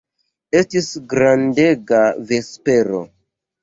Estis grandega vespero.